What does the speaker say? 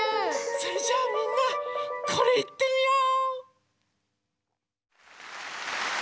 それじゃあみんなこれいってみよう！